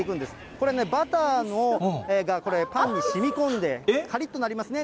これね、バターがパンにしみこんで、かりっとなりますね。